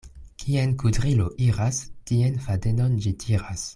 Kien kudrilo iras, tien fadenon ĝi tiras.